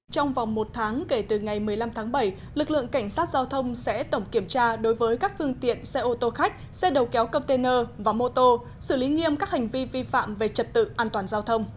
trong vòng một tháng kể từ ngày một mươi năm tháng bảy lực lượng cảnh sát giao thông sẽ tổng kiểm tra đối với các phương tiện xe ô tô khách xe đầu kéo container và mô tô xử lý nghiêm các hành vi vi phạm về trật tự an toàn giao thông